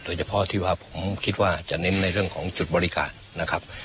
โดยเฉพาะที่ว่าผมคิดว่าจะเน้นในเรื่องของจุดบริการนะครับ